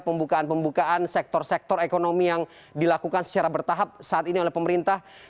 pembukaan pembukaan sektor sektor ekonomi yang dilakukan secara bertahap saat ini oleh pemerintah